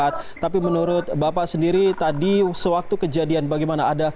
tapi menurut bapak sendiri tadi sewaktu kejadian bagaimana ada berapa orang